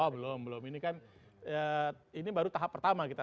belum belum ini kan ini baru tahap pertama kita